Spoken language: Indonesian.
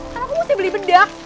kan aku mesti beli bedak